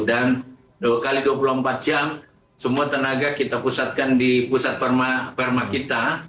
dan dua x dua puluh empat jam semua tenaga kita pusatkan di pusat farma kita